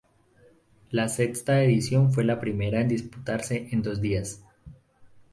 La sexta edición fue la primera en disputarse en dos días.